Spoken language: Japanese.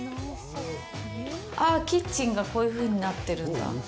あっ、キッチンがこういうふうになってるんだ？